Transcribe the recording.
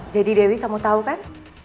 jadi dewi kamu tau kan